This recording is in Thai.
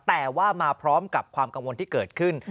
แต่ว่ามาพร้อมกับความกังวลที่เกิดขึ้น